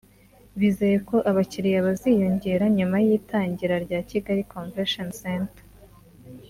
bizeye ko abakiliya baziyongera nyuma y’itangira rya Kigali Convention Centre